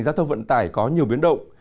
giao thông vận tải có nhiều biến động